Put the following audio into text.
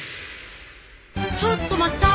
ちょっと待った！